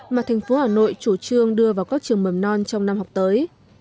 mà thành phố hà nội chủ trương đưa vào các trường mầm non trong năm học tới